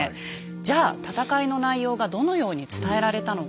じゃあ戦いの内容がどのように伝えられたのか。